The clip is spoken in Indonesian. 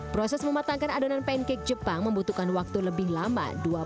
proses mematangkan adonan pancake jepang membutuhkan waktu lebih lama